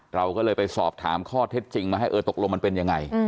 เราก็เลยไปสอบถามข้อเท็จจริงมาให้เออตกลงมันเป็นยังไง